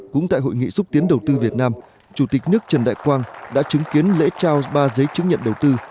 cũng tại hội nghị xúc tiến đầu tư việt nam chủ tịch nước trần đại quang đã chứng kiến lễ trao ba giấy chứng nhận đầu tư